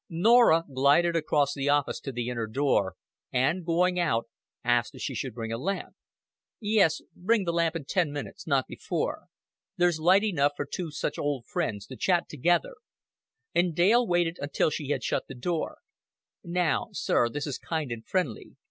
Norah glided across the office to the inner door, and, going out, asked if she should bring a lamp. "Yes, bring the lamp in ten minutes not before. There's light enough for two such old friends to chat together;" and Dale waited until she had shut the door. "Now, sir, this is kind and friendly.